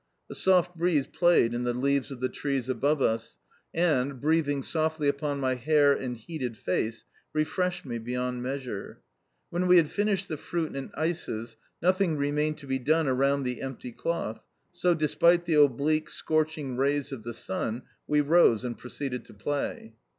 A soft breeze played in the leaves of the trees above us, and, breathing softly upon my hair and heated face, refreshed me beyond measure. When we had finished the fruit and ices, nothing remained to be done around the empty cloth, so, despite the oblique, scorching rays of the sun, we rose and proceeded to play.